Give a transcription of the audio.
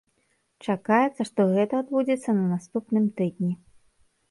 Чакаецца, што гэта адбудзецца на наступным тыдні.